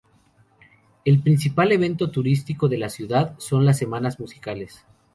El principal evento turístico de la ciudad son las Semanas Musicales.